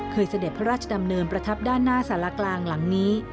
เสด็จพระราชดำเนินประทับด้านหน้าสารกลางหลังนี้